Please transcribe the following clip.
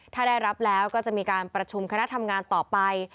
ถ้าได้รับแล้วก็จะมีการประชุมคณะทำงานต่อไป